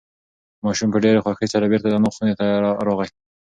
ماشوم په ډېرې خوښۍ سره بیرته د انا خونې ته راغی.